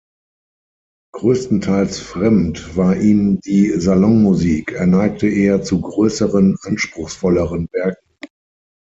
Größtenteils fremd war ihm die Salonmusik; er neigte eher zu größeren, anspruchsvolleren Werken.